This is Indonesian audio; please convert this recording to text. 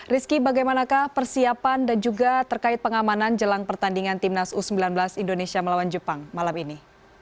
rizky bagaimanakah persiapan dan juga terkait pengamanan jelang pertandingan timnas u sembilan belas indonesia melawan jepang malam ini